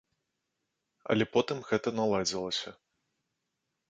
Але потым гэта наладзілася.